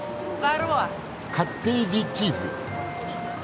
カッテージチーズ。